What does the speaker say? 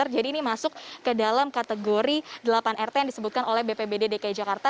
jadi ini masuk ke dalam kategori delapan rt yang disebutkan oleh bpbd dki jakarta